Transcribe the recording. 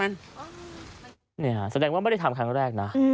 นี่แสดงว่าไม่ได้ทำครั้งแรกนะ